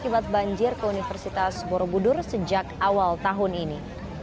akibat banjir ke universitas borobudur sejak awal tahun ini